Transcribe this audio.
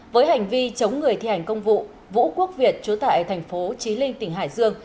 với hành vi chống người thi hành công vụ vũ quốc việt trú tại thành phố trí linh tỉnh hải dương